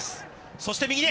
そして、右へ。